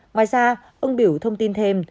ngoài ra ông biểu thông tin thêm